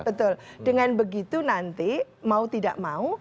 betul dengan begitu nanti mau tidak mau